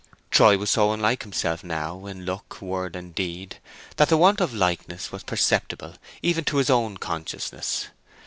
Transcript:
Troy was so unlike himself now in look, word, and deed, that the want of likeness was perceptible even to his own consciousness.